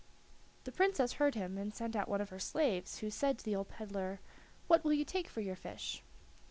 The Princess heard him, and sent out one of her slaves, who said to the old peddler: "What will you take for your fish?"